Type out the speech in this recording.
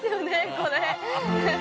これ。